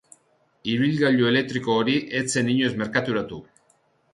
Ibilgailu elektriko hori ez zen inoiz merkaturatu.